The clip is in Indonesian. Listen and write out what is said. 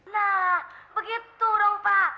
nah begitu dong pak